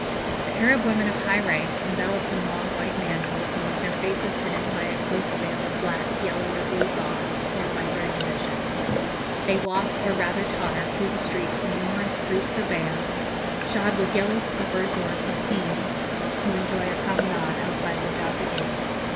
"The Arab women of high rank, enveloped in long white mantles, and with their faces hidden by a close veil of black, yellow, or blue gauze, form my third division. They walk, or rather totter, through the streets in numerous groups or bands, shod with yellow slippers or bottines, to enjoy a promenade outside the Jaffa Gate.